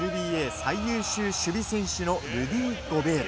最優秀守備選手のルディ・ゴベール。